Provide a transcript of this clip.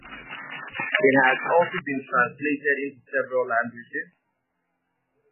It has also been translated into several languages.